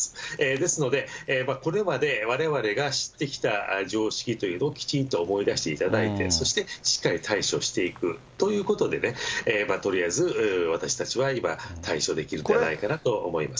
ですので、これまでわれわれが知ってきた常識というのをきちんと思い出していただいて、そして、しっかり対処していくということでね、とりあえず私たちは今、対処できるのではないかなと思います。